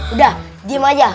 udah diam aja